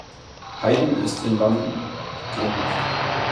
Haydn ist in London wohnhaft.